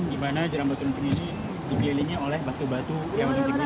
di mana jeram batu runcing ini dipilih oleh batu batu yang menunjukkan